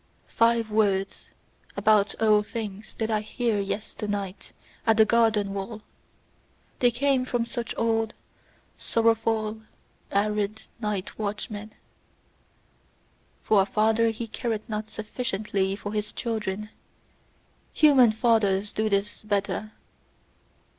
Five words about old things did I hear yester night at the garden wall: they came from such old, sorrowful, arid night watchmen. "For a father he careth not sufficiently for his children: human fathers do this better!"